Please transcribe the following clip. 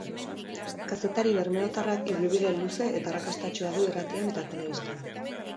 Kazetari bermeotarrak ibilbide luze eta arrakastatsua du irratian eta telebistan.